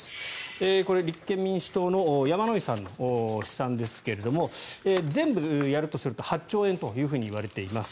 これ、立憲民主党の山井さんの試算ですが全部やるとすると８兆円といわれています。